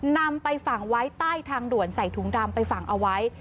นำไปฝังไว้ใต้ทางด่วนใส่ถุงดำไปฝังเอาไว้